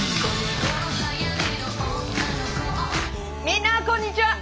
みんなこんにちは。